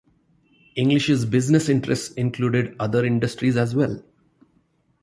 English's business interests included other industries as well.